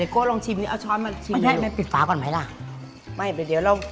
คุณแพลนอะไร